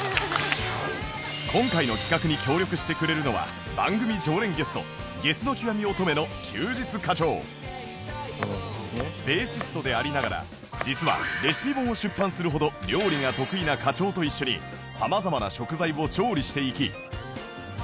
今回の企画に協力してくれるのは番組常連ゲストベーシストでありながら実はレシピ本を出版するほど料理が得意な課長と一緒に様々な食材を調理していき